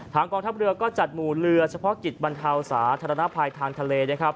กองทัพเรือก็จัดหมู่เรือเฉพาะกิจบรรเทาสาธารณภัยทางทะเลนะครับ